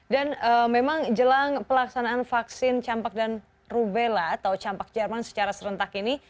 dan memang jelang pelaksanaan vaksin campak dan rubella atau campak jerman secara serentak ini